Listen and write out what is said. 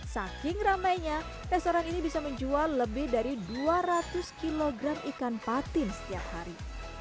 saking ramainya restoran ini bisa menjual lebih dari dua ratus kg ikan patin setiap hari